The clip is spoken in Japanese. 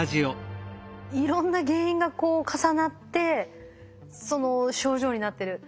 いろんな原因がこう重なってその症状になってる。